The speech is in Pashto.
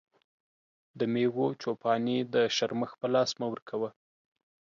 د مېږو چو پاني د شرمښ په لاس مه ورکوه.